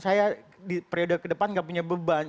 saya di periode kedepan gak punya beban